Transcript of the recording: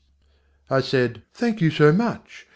I said: "Thank you so much!